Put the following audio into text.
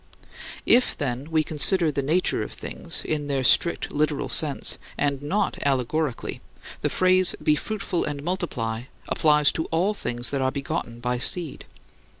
37. If, then, we consider the nature of things, in their strictly literal sense, and not allegorically, the phrase, "Be fruitful and multiply," applies to all things that are begotten by seed.